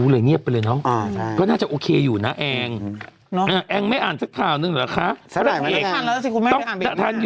เดี๋ยวเบรกหน้านะคะเจอกัน